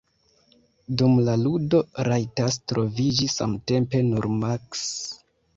Dum la ludo, rajtas troviĝi samtempe nur maks.